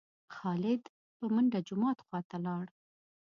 خالد په منډه جومات خوا ته لاړ.